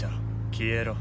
消えろ。